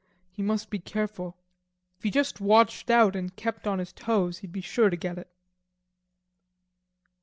He must be careful. If he just watched out and kept on his toes, he'd be sure to get it.